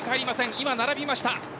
今、並びました。